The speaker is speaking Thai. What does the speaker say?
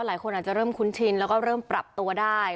หลายคนอาจจะเริ่มคุ้นชินแล้วก็เริ่มปรับตัวได้